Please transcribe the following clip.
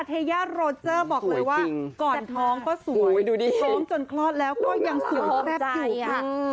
เทยาโรเจอร์บอกเลยว่าก่อนท้องก็สวยท้องจนคลอดแล้วก็ยังสวยแซ่บอยู่ค่ะ